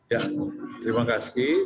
ya terima kasih